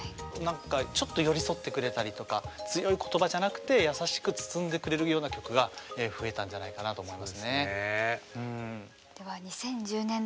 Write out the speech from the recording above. なんかちょっと寄り添ってくれたりとか強い言葉じゃなくて優しく包んでくれるような曲が増えたんじゃないかなと思いますね。